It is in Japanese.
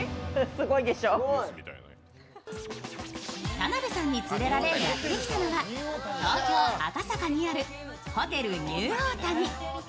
田辺さんに連れられ、やってきたのは東京・赤坂にあるホテルニューオータニ。